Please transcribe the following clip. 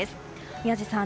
宮司さん